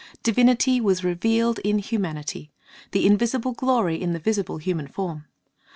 Divinity was revealed in humanity ; the invisible glory in the visible human form.